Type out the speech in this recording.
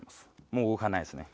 もう動かないですね。